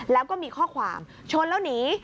แล้วก็มีข้อความชนแล้วหนี